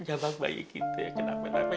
jabang bayi kita kenapa kenapa